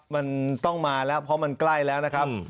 มันต้องมาแล้วเพราะมันใกล้แล้วนะครับ